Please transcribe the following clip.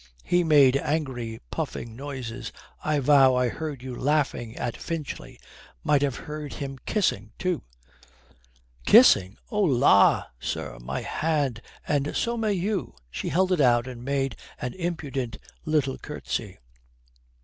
He made angry puffing noises. "I vow I heard you laughing at Finchley. Might have heard him kissing too." "Kissing? Oh la, sir, my hand, and so may you." She held it out and made an impudent little curtsy.